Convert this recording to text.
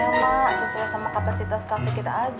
ya mak sesuai sama kapasitas kafe kita aja